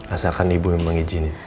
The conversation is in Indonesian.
asalkan ibu memang izin